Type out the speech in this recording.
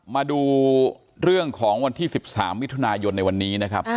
มาดูเรื่องของวันที่๑๓มิถุนายนในวันนี้นะครับ